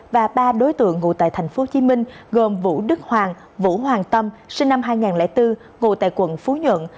và ba đối tượng ngụ tại tp hcm gồm vũ đức hoàng vũ hoàng tâm sinh năm hai nghìn bốn ngụ tại quận phú nhuận